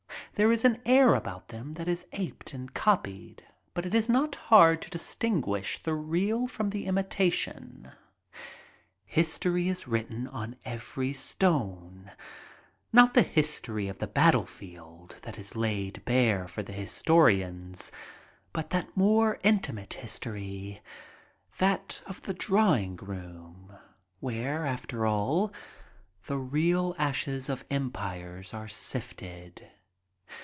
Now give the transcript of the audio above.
There is an air about them that is aped and copied, but it is not hard to distinguish the real from the imitation. History is written on every stone; not the history of the battlefield A JOKE AND STILL ON THE GO 67 that is laid bare for the historians, but that more intimate history, that of the drawing room, where, after all, the real ashes of empires are sifted.